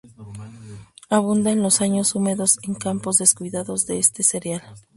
Abunda en los años húmedos en campos descuidados de este cereal.